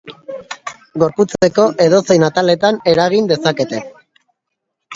Gorputzeko edozein ataletan eragin dezakete.